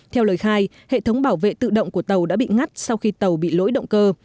theo lời khai hệ thống bảo vệ tự động của tàu đã bị ngắt sau khi tàu bị lỗi động cơ